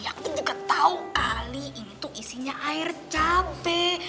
aku juga tahu kali ini tuh isinya air capek